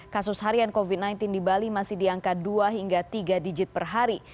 kasus harian covid sembilan belas di bali masih di angka dua hingga tiga digit per hari